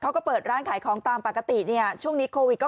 เขาก็เปิดร้านขายของตามปกติเนี่ยช่วงนี้โควิดก็